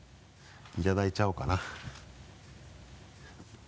いただいちゃおうかな。